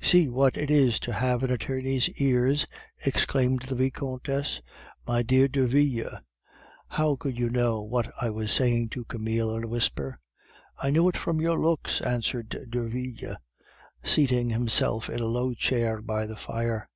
"See what it is to have an attorney's ears!" exclaimed the Vicomtesse. "My dear Derville, how could you know what I was saying to Camille in a whisper?" "I knew it from your looks," answered Derville, seating himself in a low chair by the fire.